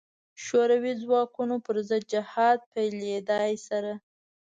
شوروي ځواکونو پر ضد جهاد پیلېدا سره.